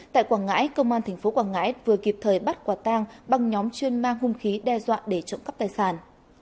tại quảng ngãi công an thành phố quảng ngãi vừa kịp thời bắt quả tang bằng nhóm chuyên mang hung khí đe dọa để trộm cắp tài sản